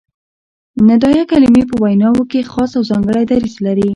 ندائیه کلیمې په ویناوو کښي خاص او ځانګړی دریځ لري.